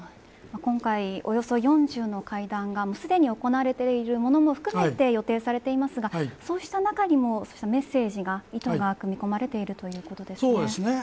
今回、およそ４０の会談がすでに行われているものも含めて予定されていますがそうした中にもそうしたメッセージや意図が組み込まれているそうですね。